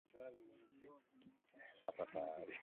Obama alimwoa mwanasheria mwenzake Bibi Michelle Robinson